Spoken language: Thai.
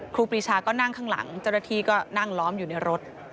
ครูปีชาก็นั่งข้างหลังเจ้าหน้าที่ก็นั่งล้อมอยู่ในรถ